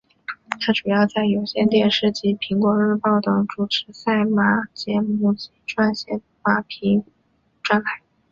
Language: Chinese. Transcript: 她主要在有线电视及苹果日报等主持赛马节目及撰写马评专栏。